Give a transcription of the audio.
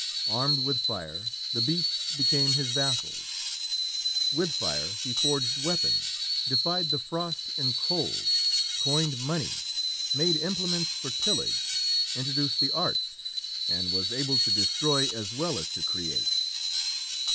Armed with fire, the beasts became his vassals. With fire he forged weapons, defied the frost and cold, coined money, made implements for tillage, introduced the arts, and was able to destroy as well as to create.